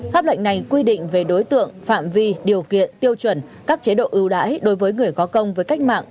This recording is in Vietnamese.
pháp lệnh này quy định về đối tượng phạm vi điều kiện tiêu chuẩn các chế độ ưu đãi đối với người có công với cách mạng